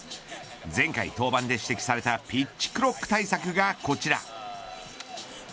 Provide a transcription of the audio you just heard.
前回登板で指摘されたピッチクロック対策がこちら。